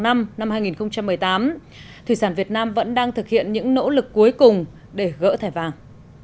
năm hai nghìn một mươi tám thủy sản việt nam vẫn đang thực hiện những nỗ lực cuối cùng để gỡ thẻ vàng